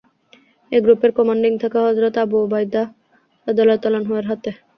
এ গ্রুপের কমান্ডিং থাকে হযরত আবু উবায়দা রাযিয়াল্লাহু আনহু-এর হাতে।